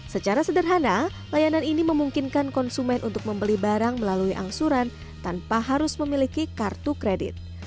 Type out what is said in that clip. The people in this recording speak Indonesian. secara sederhana layanan ini memungkinkan konsumen untuk membeli barang melalui angsuran tanpa harus memiliki kartu kredit